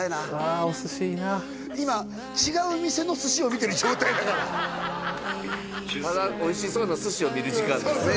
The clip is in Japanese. あお寿司いいな今違う店の寿司を見てる状態だからただおいしそうな寿司を見る時間ですね